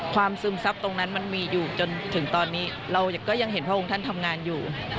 ซึมซับตรงนั้นมันมีอยู่จนถึงตอนนี้เราก็ยังเห็นพระองค์ท่านทำงานอยู่